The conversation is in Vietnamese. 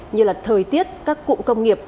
như là thời tiết các cụm công nghiệp